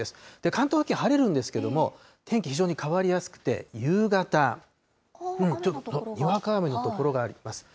関東付近、晴れるんですけれども、天気非常に変わりやすくて、夕方、ちょっとにわか雨の所があります。